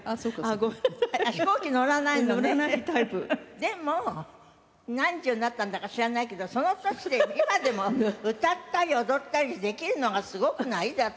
でも何十になったんだか知らないけどその年で今でも歌ったり踊ったりできるのがすごくない？だって。